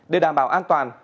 để đảm bảo an toàn